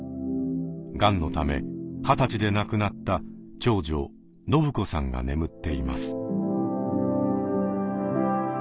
がんのため二十歳で亡くなった長女伸子さんが眠っています。